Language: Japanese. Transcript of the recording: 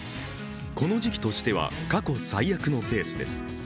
この時期としては過去最悪のペースです。